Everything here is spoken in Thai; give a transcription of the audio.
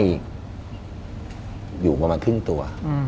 อยู่ประมาณครึ่งตัว